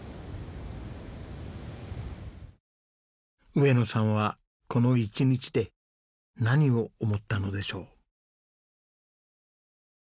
上野さんはこの一日で何を思ったのでしょう。